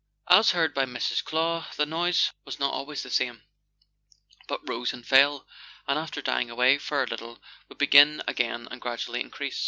As heard by Mrs. Clow, the noise was not always the same, "but rose and fell, and after dying away for a little would begin again and gradually increase.